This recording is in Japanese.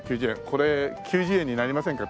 これ９０円になりませんか？